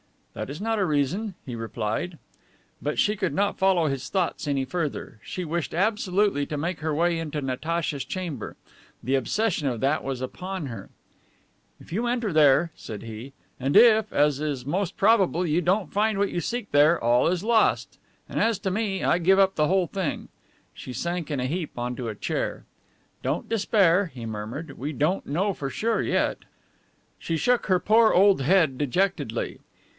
"That is not a reason," he replied. But she could not follow his thoughts any further. She wished absolutely to make her way into Natacha's chamber. The obsession of that was upon her. "If you enter there," said he, "and if (as is most probable) you don't find what you seek there, all is lost! And as to me, I give up the whole thing." She sank in a heap onto a chair. "Don't despair," he murmured. "We don't know for sure yet." She shook her poor old head dejectedly.